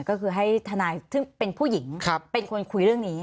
ก็คือให้ทนายซึ่งเป็นผู้หญิงเป็นคนคุยเรื่องนี้